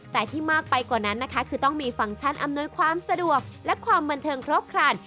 แต่ที่มากไปกว่านั้นนะคะคือต้องมีฟังก์ชั่นอำนวยความสะดวกและความบันเทิงครบครัน